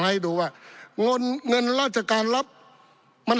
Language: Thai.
ปี๑เกณฑ์ทหารแสน๒